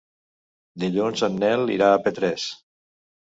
Dilluns en Nel irà a Petrés.